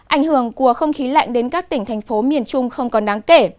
ảnh hưởng của không khí lạnh đến các tỉnh thành phố miền trung không còn đáng kể